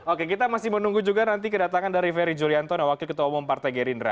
oke kita masih menunggu juga nanti kedatangan dari ferry julianto wakil ketua umum partai gerindra